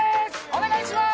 お願いします。